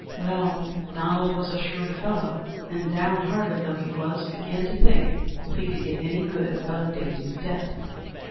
Well, Donald was a shrewd fellow, and down hearted though he was, began to think if he could get any good out of Daisy's death.